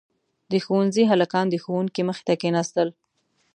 • د ښونځي هلکان د ښوونکي مخې ته کښېناستل.